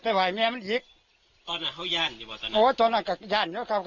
ประมาณหาชีพครับ